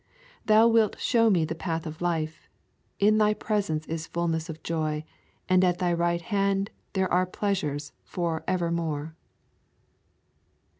Thou wilt show me the path of life; in Thy presence is fullness of joy, and at Thy right hand there are pleasures for evermore.'